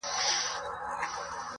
ما مي د بابا په هدیره کي ځان لیدلی وو!.